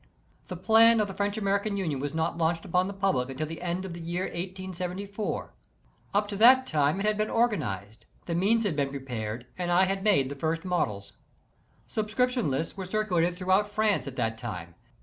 The plan of the French American Union was not launched upon the public until the end of the year 1874. Up to that time it had been organized, the means had been prepared, and I had made the first models. [See note A.] Subscription lists were circulated throughout France at that time.